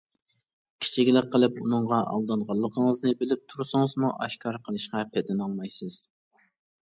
كىچىكلىك قىلىپ ئۇنىڭغا ئالدانغانلىقىڭىزنى بىلىپ تۇرسىڭىزمۇ، ئاشكارا قىلىشقا پېتىنالمايسىز.